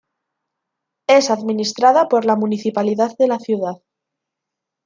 Es administrada por la Municipalidad de la ciudad.